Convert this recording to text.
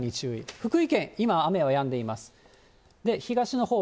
福井県、今、雨はやんでいます。